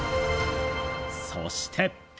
そして。